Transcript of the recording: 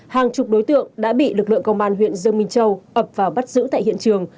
hàng chục đối tượng đã bị lực lượng công an huyện dương minh châu ập vào bắt giữ tại hiện trường